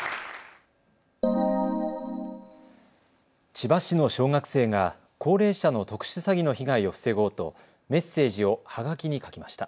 千葉市の小学生が高齢者の特殊詐欺の被害を防ごうとメッセージをはがきに書きました。